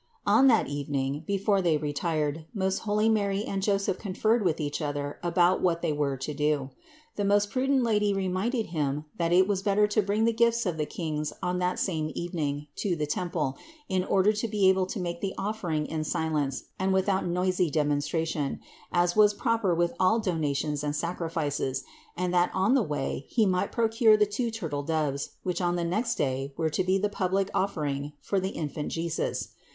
592. On that evening, before they retired, most holy Mary and Joseph conferred with each other about what 502 CITY OF GOD they were to do. The most prudent Lady reminded him that it was better to bring the gifts of the Kings on that same evening to the temple in order to be able to make the offering in silence and without noisy demon stration, as was proper with all donations and sacrifices, and that on the way he might procure the two turtle doves, which on the next day were to be the public offer ing for the Infant Jesus.